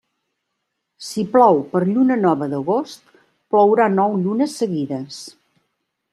Si plou per lluna nova d'agost, plourà nou llunes seguides.